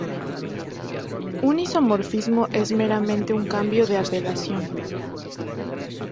Un isomorfismo es meramente un cambio de apelación.